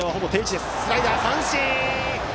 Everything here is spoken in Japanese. スライダーで三振！